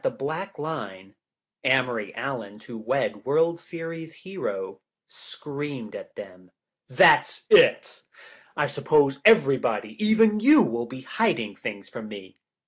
the black line — Amory Allen to Wed World Series Hero — screamed at them, " that's it. I suppose everybody, even you, will be hiding things from me.